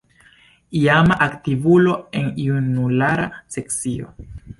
Iama aktivulo en junulara sekcio.